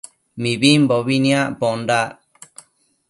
Mibimbobi nicpondac